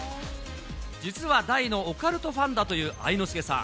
実は大のオカルトファンだという愛之助さん。